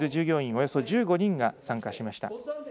およそ１５人が参加しました。